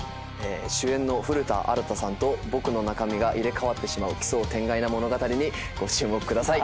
主演の古田新太さんと僕の中身が入れ替わってしまう奇想天外な物語にご注目ください。